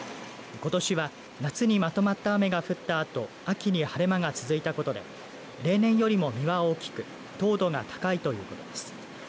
ことしは、夏にまとまった雨が降ったあと秋に晴れ間が続いたことで例年よりも実は大きく糖度が高いということです。